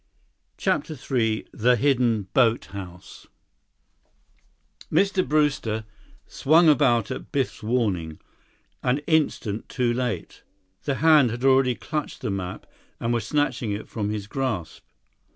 CHAPTER III The Hidden Boathouse Mr. Brewster swung about at Biff's warning, an instant too late. The hand had already clutched the map and was snatching it from his grasp.